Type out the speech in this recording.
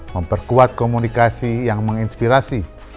memperkuat komunikasi yang menginspirasi